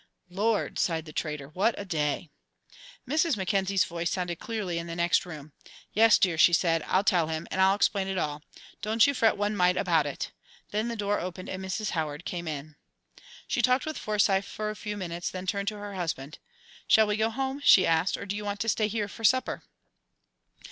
"Lord!" sighed the trader. "What a day!" Mrs. Mackenzie's voice sounded clearly in the next room. "Yes, dear," she said, "I'll tell him, and I'll explain it all. Don't you fret one mite about it." Then the door opened and Mrs. Howard came in. She talked with Forsyth for a few minutes, then turned to her husband. "Shall we go home?" she asked, "or do you want to stay here for supper?"